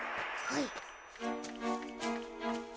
はい。